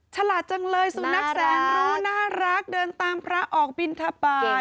ฉลาดจังเลยสุนัขแสนรู้น่ารักเดินตามพระออกบินทบาท